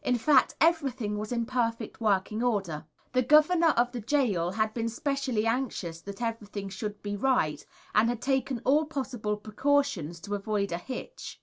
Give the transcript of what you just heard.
In fact, everything was in perfect working order. The Governor of the gaol had been specially anxious that everything should be right, and had taken all possible precautions to avoid a hitch.